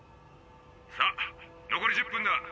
さあ残り１０分だ。